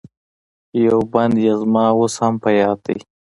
یو بند یې زما اوس هم په یاد دی.